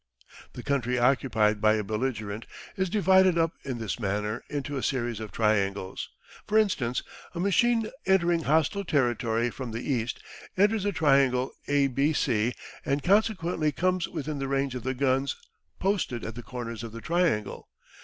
The country occupied by a belligerent is divided up in this manner into a series of triangles. For instance, a machine entering hostile territory from the east, enters the triangle A B C, and consequently comes within the range of the guns posted at the comers of the triangle.